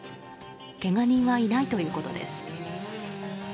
けが人はいないということです。